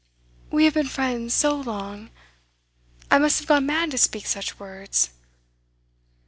We have been friends so long I must have gone mad to speak such words.